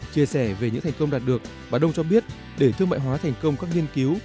chia sẻ về những thành công đạt được bà đông cho biết để thương mại hóa thành công các nghiên cứu